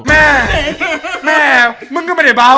แม่แม่มึงก็ไม่ได้เบา